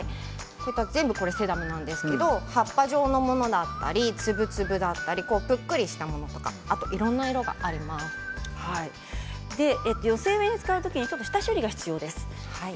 全部セダムなんですけど葉っぱ状のものだったり粒々だったりぷっくりしたものとか寄せ植えに使う時下処理が必要です。